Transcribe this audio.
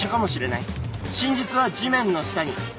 真実は地面の下に。